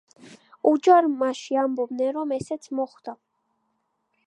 უჯარმაში ამბობენ, რომ ასეც მოხდა.